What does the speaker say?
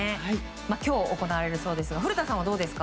今日、行われるそうですが古田さんはどうですか。